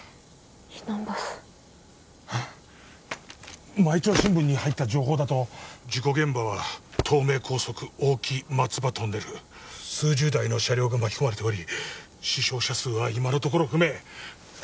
避難バス毎朝新聞に入った情報だと事故現場は東名高速大木松葉トンネル数十台の車両が巻き込まれており死傷者数は今のところ不明